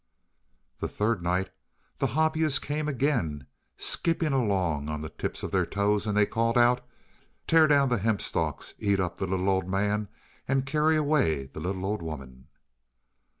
The third night the Hobyahs came again, skipping along on the tips of their toes, and they called out: "Tear down the hemp stalks. Eat up the little old man, and carry away the little old woman."